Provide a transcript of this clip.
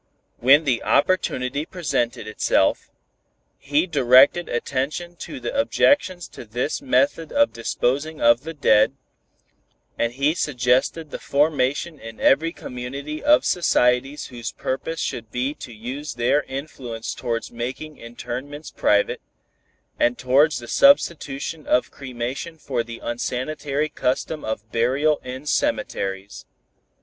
When the opportunity presented itself, he directed attention to the objections to this method of disposing of the dead, and he suggested the formation in every community of societies whose purpose should be to use their influence towards making interments private, and towards the substitution of cremation for the unsanitary custom of burial in cemeteries.